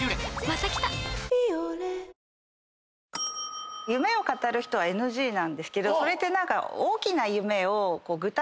「ビオレ」夢を語る人はＮＧなんですけどそれって何か。